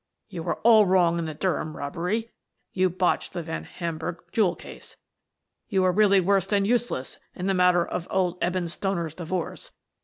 You were all wrong in the Durham robbery. You botched the Van Hamburgh jewel case. You were really worse than useless in the matter of old Eben Stealer's divorce.